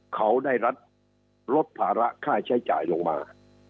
เขาได้รัฐลดภาระค่าใช้จ่ายลงมา